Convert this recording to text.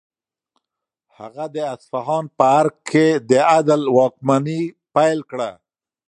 هغه د اصفهان په ارګ کې د عدل واکمني پیل کړه.